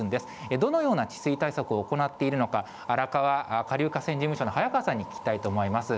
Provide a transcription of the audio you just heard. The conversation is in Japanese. どのような治水対策を行っているのか、荒川下流河川事務所の早川さんに聞きたいと思います。